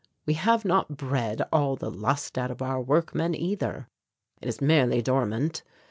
We have not bred all the lust out of our workmen either. It is merely dormant.